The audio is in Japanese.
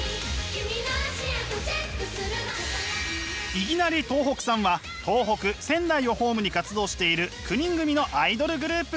いぎなり東北産は東北仙台をホームに活動している９人組のアイドルグループ。